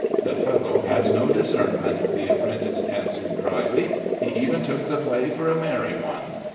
"The fellow has no discernment," the apprentice answered dryly. "He even took the play for a merry one."